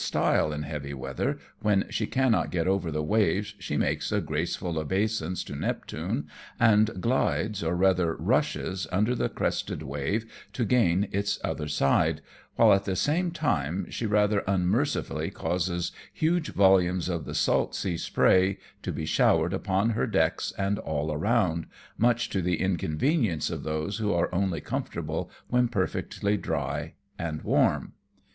style in heavy weather, whea she cannot get over the waves, she makes a graceful obeisance to Neptune, and glides, or rather rushes under the crested wave to gain its other side, while at the same time she rather un mercifully causes huge volumes of the salt sea spray to be showered upon her decks and all around, much fo the inconvenience of those who are only comfortable when perfectly warm and dry.